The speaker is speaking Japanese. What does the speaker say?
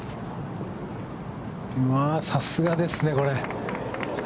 さすがですね、これ。